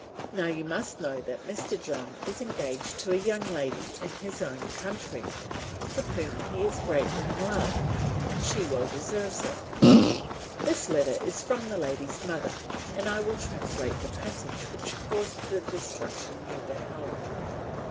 Now you must know that Mr. John is engaged to a young lady in his own country, with whom he is greatly in love, and she well deserves it. This letter is from the lady's mother, and I will translate the passage which caused the destruction you beheld.